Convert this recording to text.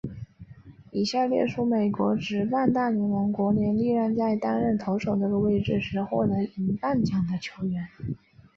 以下列出美国职棒大联盟国联历年在担任投手这个位置时获得银棒奖的球员。